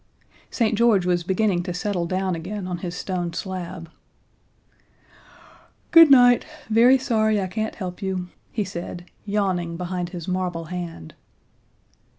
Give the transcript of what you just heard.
St. George was beginning to settle down again on his stone slab. "Good night, very sorry I can't help you," he said, yawning behind his marble hand.